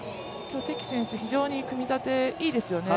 関選手、非常に今日は組み立てがいいですよね。